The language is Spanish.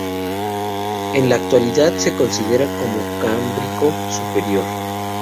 En la actualidad se considera como Cámbrico Superior.